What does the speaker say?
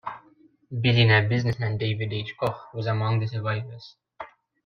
Billionaire businessman David H. Koch was among the survivors.